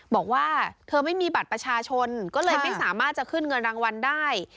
บอกว่าเธอไม่มีบัตรประชาชนก็เลยไม่สามารถจะขึ้นเงินรางวัลได้